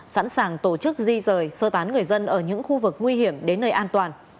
sẵn sàng tổ chức di rời sơ tán người dân ở những khu vực nguy hiểm đến nơi an toàn